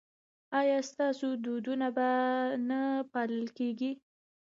ایا ستاسو دودونه به نه پالل کیږي؟